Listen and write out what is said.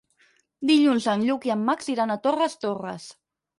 Dilluns en Lluc i en Max iran a Torres Torres.